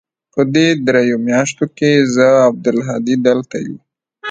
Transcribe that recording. په دې درېو مياشتو کښې چې زه او عبدالهادي دلته يو.